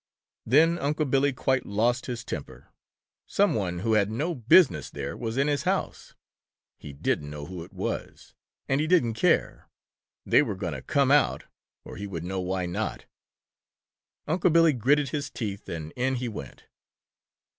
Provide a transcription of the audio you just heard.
Then Unc' Billy quite lost his temper. Some one who had no business there was in his house! He didn't know who it was, and he didn't care. They were going to come out or he would know why not. Unc' Billy gritted his teeth and in he went.